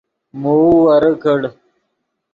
موؤ ورے کڑ